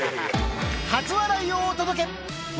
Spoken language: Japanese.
初笑いをお届け。笑